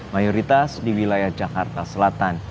mayoritas di wilayah jakarta selatan